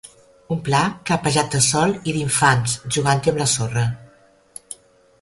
Un pla clapejat de sol i d'infants jogant-hi am la sorra.